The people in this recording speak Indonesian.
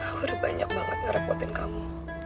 aku udah banyak banget ngerepotin kamu